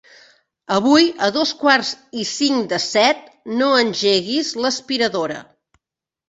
Avui a dos quarts i cinc de set no engeguis l'aspiradora.